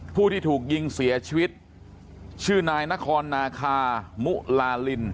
ผู้ที่ถูกยิงเสียชีวิตชื่อนายนครนาคามุลาลิน